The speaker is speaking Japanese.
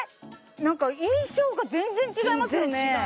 なんか印象が全然違いますよね